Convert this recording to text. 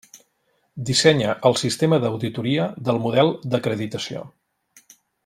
Dissenya el sistema d'auditoria del model d'acreditació.